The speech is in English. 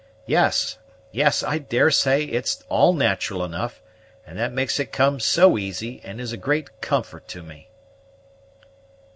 Yes, yes, I daresay it's all nat'ral enough, and that makes it come so easy, and is a great comfort to me."